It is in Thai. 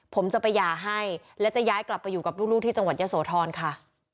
ผมจะไปหย่าให้และจะย้ายกลับไปอยู่กับลูกที่จังหวัดยะโสธรค่ะ